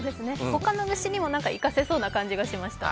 他の虫にも生かせそうな感じがしました。